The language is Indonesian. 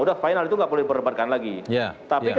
sudah final itu nggak perlu diperlebatkan lagi